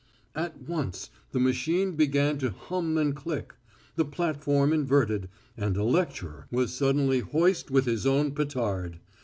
At once the machine began to hum and click. The platform inverted, and the lecturer was suddenly hoist with his own petard.